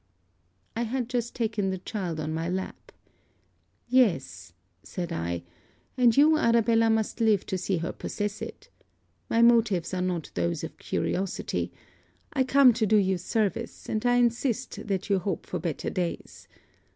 I had just taken the child on my lap. 'Yes,' said I: 'and you Arabella must live to see her possess it. My motives are not those of curiosity. I come to do you service; and I insist that you hope for better days.